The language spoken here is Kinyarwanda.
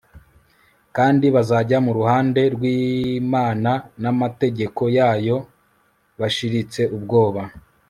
kandi bazajya mu ruhande rwImana namategeko yayo bashiritse ubwoba